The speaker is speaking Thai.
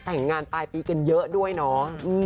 แต่งงานปลายปีกันเยอะด้วยเนาะ